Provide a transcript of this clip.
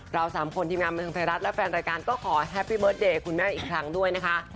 สามคนทีมงานบันเทิงไทยรัฐและแฟนรายการก็ขอแฮปปี้เบิร์ตเดย์คุณแม่อีกครั้งด้วยนะคะ